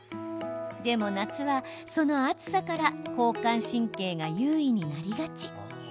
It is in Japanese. でも、夏はその暑さから交感神経が優位になりがち。